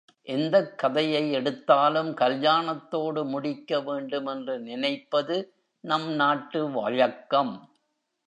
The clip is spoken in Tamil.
எந்தக் கதையை எடுத்தாலும் கல்யாணத்தோடு முடிக்க வேண்டுமென்று நினைப்பது நம் நாட்டு வழக்கம்.